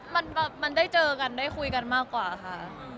มันได้เจอกันได้คุยกันมากกว่าค่ะ